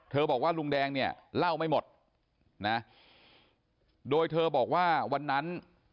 บอกว่าลุงแดงเนี่ยเล่าไม่หมดนะโดยเธอบอกว่าวันนั้น